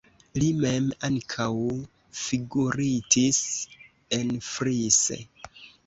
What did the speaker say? Li mem ankaŭ figuritis enfrise.